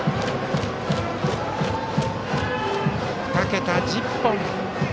２桁、１０本。